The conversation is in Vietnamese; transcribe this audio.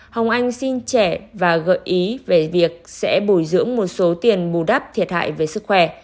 hồng anh xin trẻ và gợi ý về việc sẽ bồi dưỡng một số tiền bù đắp thiệt hại về sức khỏe